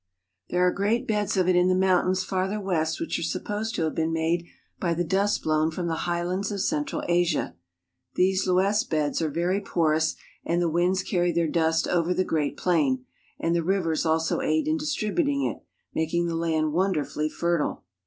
There are great beds of it in the mountains farther west which are supposed to have been made by the dust blown from the highlands of central Asia. These loess beds are very porous, and the winds carry their dust over the Great Plain ; and the rivers also aid in distributing it, making the land wonderfully fertile.